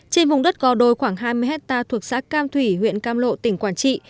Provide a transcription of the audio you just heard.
trên vùng đất gò đồi khoảng hai mươi hectare thuộc xã cam thủy huyện cam lộ tỉnh quảng trị